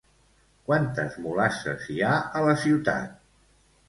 Quantes mulasses hi ha a la ciutat?